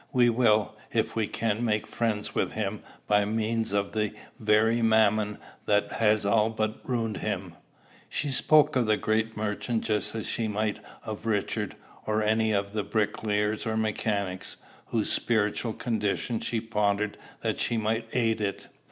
We will, if we can, make friends with him by means of the very Mammon that has all but ruined him." She spoke of the great merchant just as she might of Richard, or any of the bricklayers or mechanics, whose spiritual condition she pondered that she might aid it.